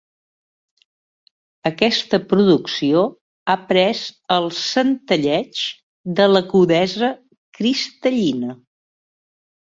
Aquesta producció ha pres el centelleig de l'agudesa cristal·lina.